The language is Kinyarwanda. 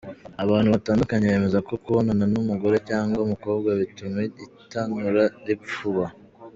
Abantu batandukanye bemeza ko kubonana n’umugore cyangwa umukobwa bituma itanura ripfuba.